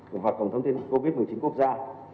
hoặc cổng thông tin covid một mươi chín quốc gia